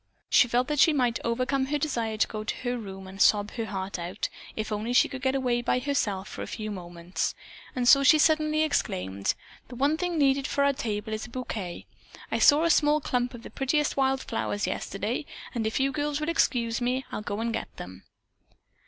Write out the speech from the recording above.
She felt that she might overcome her desire to go to her room and sob her heart out, if only she could get away by herself for a few moments, and so she suddenly, exclaimed, "The one thing needed for our table is a bouquet. I saw a clump of the prettiest wild flowers yesterday, and if you girls will excuse me I'll go and get them."